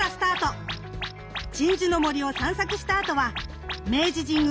鎮守の森を散策したあとは明治神宮